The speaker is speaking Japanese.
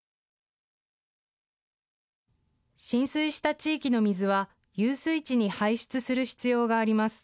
浸水した地域の水は遊水地に排出する必要があります。